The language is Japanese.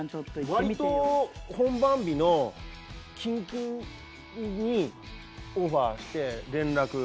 わりと本番日の近々にオファーして連絡。